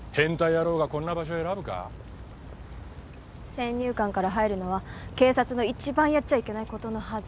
先入観から入るのは警察の一番やっちゃいけない事のはず。